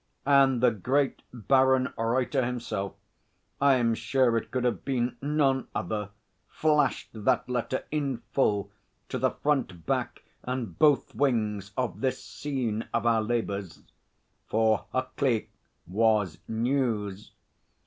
And the great Baron Reuter himself (I am sure it could have been none other) flashed that letter in full to the front, back, and both wings of this scene of our labours. For Huckley was News.